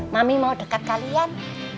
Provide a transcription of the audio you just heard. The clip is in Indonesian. mami mau dekat kalian